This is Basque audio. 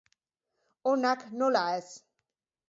Onak, nola ez!